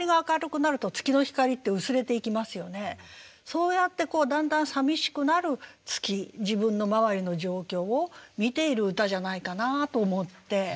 そうやってだんだんさみしくなる月自分の周りの状況を見ている歌じゃないかなと思って。